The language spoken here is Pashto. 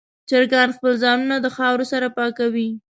چرګان خپل ځانونه د خاورو سره پاکوي.